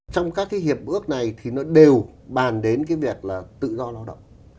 trong các cái hiệp ước này thì nó đều bàn đến cái việc là tự do lao động